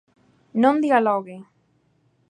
Non dialogue.